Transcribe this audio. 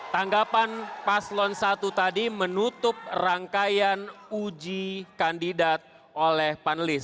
tanggapan paslon satu tadi menutup rangkaian uji kandidat oleh panelis